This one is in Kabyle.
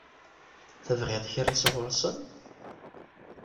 Tebɣiḍ kra sɣur-sen?